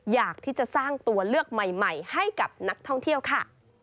อยากที่จะสร้างตัวเลือกใหม่ให้กับนักท่องเที่ยวค่ะ